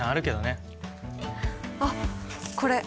あっこれ！